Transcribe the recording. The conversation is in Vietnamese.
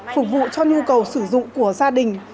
phục vụ cho nhu cầu sử dụng của gia đình